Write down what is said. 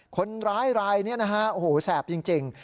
คนร้ายรายนี้นะฮะโอ้โหแสบจริง